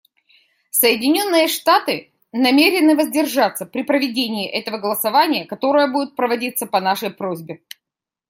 Соединенные Штаты намерены воздержаться при проведении этого голосования, которое будет проводиться по нашей просьбе.